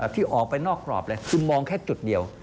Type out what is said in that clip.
ที่ออกไปนอกกรอบเลยคุณมองแค่จุดเดียว